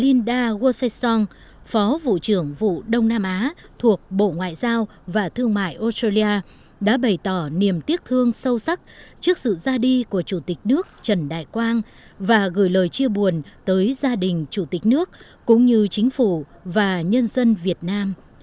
tới viếng và ghi sổ tang bà linda wolfson phó vụ trưởng vụ đông nam á thuộc bộ ngoại giao và thương mại australia đã bày tỏ niềm tiếc thương sâu sắc trước sự ra đi của chủ tịch nước trần đại quang và gửi lời chia buồn tới gia đình chủ tịch nước cũng như chính phủ và nhân dân việt nam